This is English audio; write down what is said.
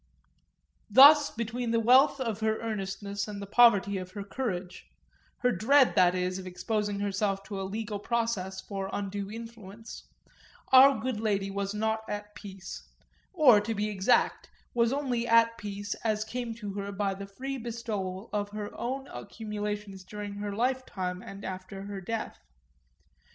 Thus between the wealth of her earnestness and the poverty of her courage her dread, that is, of exposing herself to a legal process for undue influence our good lady was not at peace; or, to be exact, was only at such peace as came to her by the free bestowal of her own accumulations during her lifetime and after her death.